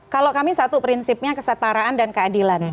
kalau kami satu prinsipnya kesetaraan dan keadilan